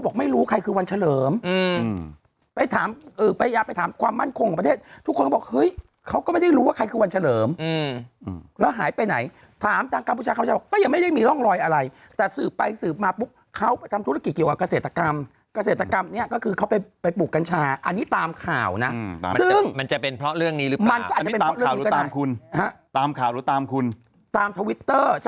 บอกไม่รู้ใครคือวันเฉลิมไปถามพยายามไปถามความมั่นคงของประเทศทุกคนก็บอกเฮ้ยเขาก็ไม่ได้รู้ว่าใครคือวันเฉลิมแล้วหายไปไหนถามทางกัมพูชาเขาจะบอกก็ยังไม่ได้มีร่องรอยอะไรแต่สืบไปสืบมาปุ๊บเขาไปทำธุรกิจเกี่ยวกับเกษตรกรรมเกษตรกรรมเนี่ยก็คือเขาไปปลูกกัญชาอันนี้ตามข่าวนะซึ่งมันจะเป็นเพราะเรื่องนี้หรือเปล่ามันก็อาจจะเป็นเพราะเรื่องนี้ก็ตามคุณฮะ